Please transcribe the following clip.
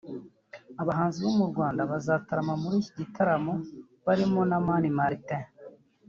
Abahanzi bo mu Rwanda bazatarama muri iki gitaramo barimo Mani Martin